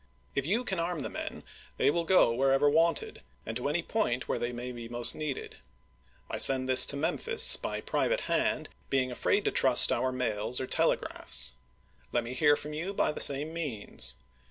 If you can arm the men they will go whenever wanted, and to any point where they may be most needed. I send this to Memphis by private hand, being afraid to trust our mails or telegraphs. Let me hear from you by the same means.